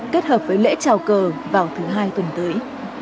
kết hợp với lễ trào cờ vào thứ hai tuần tới